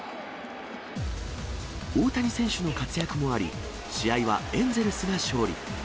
大谷選手の活躍もあり、試合はエンゼルスが勝利。